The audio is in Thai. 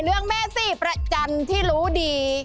เรื่องแม่ซี่ประจันทร์ที่รู้ดี